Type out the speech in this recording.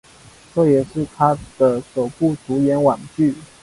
这也是他的首部主演网剧。